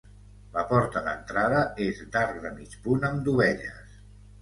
La porta d'entrada és d'arc de mig punt amb dovelles.